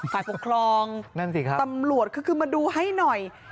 ฝ่ายปกครองตำรวจคือมาดูให้หน่อย